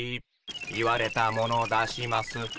言われたもの出します。